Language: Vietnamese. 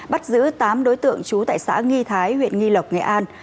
bắt giữ tám đối tượng trú tại xã nghi thái huyện nghi lộc nghệ an